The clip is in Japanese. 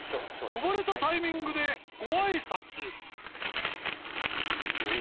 呼ばれたタイミングではい。